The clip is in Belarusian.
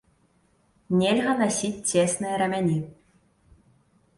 Нельга насіць цесныя рамяні.